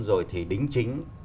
rồi thì đính chính